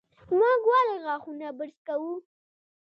موږ ولې غاښونه برس کوو؟